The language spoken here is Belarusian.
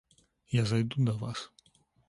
Я зайду да вас.